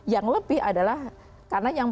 yang lebih adalah karena yang